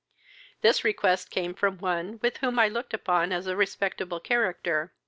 This request came from one with whom I looked upon as a respectable character.